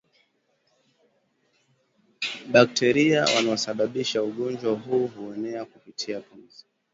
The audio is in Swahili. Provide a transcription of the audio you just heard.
Bakteria wanaosababisha ugonjwa huu huuenea kupitia pumzi